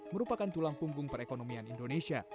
merupakan tulang punggung perekonomian indonesia